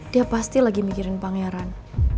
dia pasti lagi mikirin pangeran